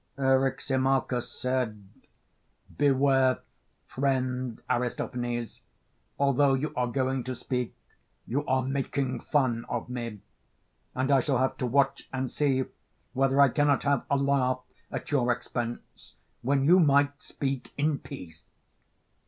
Eryximachus said: Beware, friend Aristophanes, although you are going to speak, you are making fun of me; and I shall have to watch and see whether I cannot have a laugh at your expense, when you might speak in peace.